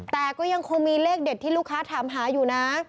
แต่ก็ยังคงมีเลขเด็ดที่ลูกค้าถามหาอยู่นะ